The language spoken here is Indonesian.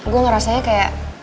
gue ngerasanya kayak